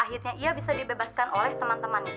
akhirnya ia bisa dibebaskan oleh teman teman